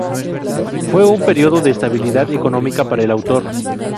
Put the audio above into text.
Fue un período de estabilidad económica para el autor.